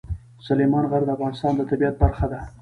سلیمان غر د افغانستان د طبیعت برخه ده.